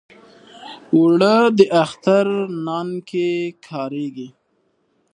اوړه د اختر نان کې کارېږي